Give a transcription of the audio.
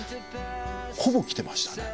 ほぼ来てましたね。